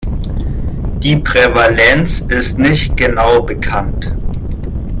Die Prävalenz ist nicht genau bekannt.